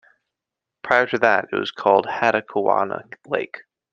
Prior to that, it was called Hattacawanna Lake.